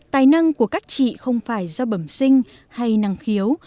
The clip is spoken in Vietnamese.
tài năng của các chị không phải do bẩm sinh hay năng khiếu